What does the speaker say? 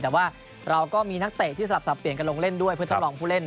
แต่ว่าเราก็มีนักเตะที่สลับสับเปลี่ยนกันลงเล่นด้วยเพื่อทดลองผู้เล่น